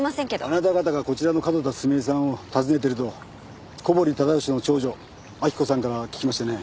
あなた方がこちらの角田澄江さんを訪ねてると小堀忠夫氏の長女明子さんから聞きましてね。